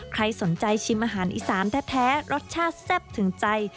ใครสนใจชิมอาหารอีสานแท้รสชาติแซ่บถึงใจ